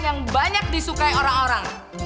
yang banyak disukai orang orang